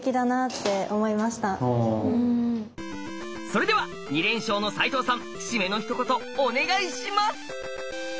それでは２連勝の齋藤さんシメの一言お願いします！